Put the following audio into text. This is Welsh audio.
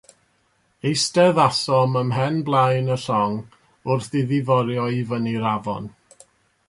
Eisteddasom ym mhen blaen y llong wrth iddi forio i fyny'r afon.